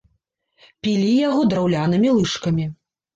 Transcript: Пілі яго драўлянымі лыжкамі.